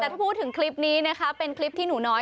แต่ถ้าพูดถึงคลิปนี้นะคะเป็นคลิปที่หนูน้อย